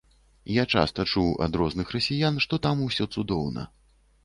Я часта чуў ад розных расіян, што там ўсё цудоўна.